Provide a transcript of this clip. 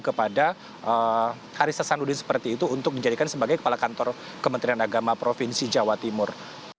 kepada haris hasanuddin seperti itu untuk dijadikan sebagai kepala kantor kementerian agama provinsi jawa timur